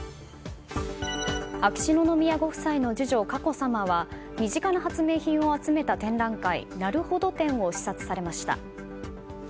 秋篠宮ご夫妻の次女佳子さまは身近な発明品を集めた展覧会「なるほど展」を視察されました。